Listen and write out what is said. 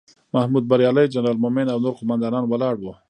محمود بریالی، جنرال مومن او نور قوماندان ولاړ وو.